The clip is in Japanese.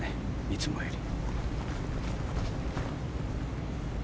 いつもより。